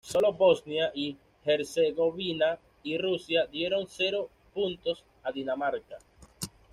Sólo Bosnia y Herzegovina y Rusia dieron cero puntos a Dinamarca.